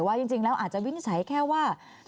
ว่าจริงแล้วอาจจะวินิจฉัยแค่ว่า